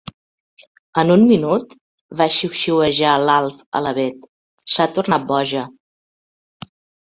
En un minut? —va xiuxiuejar l'Alf a la Bet— S'ha tornat boja!